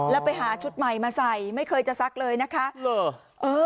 แล้วไปหาชุดใหม่มาใส่ไม่เคยจะซักเลยนะคะ